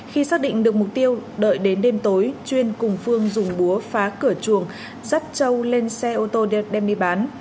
khi xác định được mục tiêu đợi đến đêm tối chuyên cùng phương dùng búa phá cửa chuồng dắt châu lên xe ô tô đem đi bán